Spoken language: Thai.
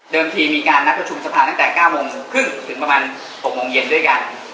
ทีมีการนัดประชุมสภาตั้งแต่๙โมงครึ่งถึงประมาณ๖โมงเย็นด้วยกัน